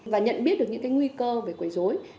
và nhận biết được những nguy cơ về quầy dối